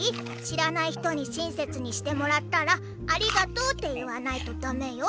しらない人にしんせつにしてもらったら「ありがとう」って言わないとだめよ。